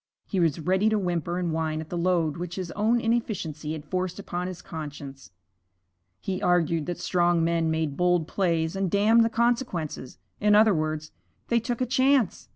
He was ready to whimper and whine at the load which his own inefficiency had forced upon his conscience. He argued that strong men made bold plays and damned the consequence; in other words, they took a chance.